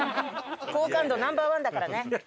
好感度ナンバーワンだからね。